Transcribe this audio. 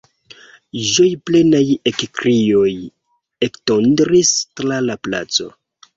Ĝojplenaj ekkrioj ektondris tra la placo.